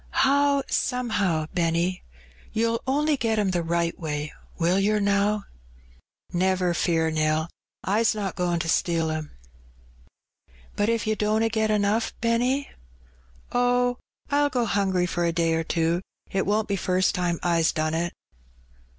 "How somehow, Benny? You'll only get 'em the right way, will yer, now?" "Never fear, Nell; I's not goin' to steal 'em." "But if you dunna get enough^ Benny?" "Oh, I'll go hungry for a day or two; 't won't be fust time I's done it."